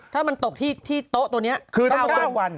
ถ้ามันตกที่โต๊ะตัวเนี่ย๙วัน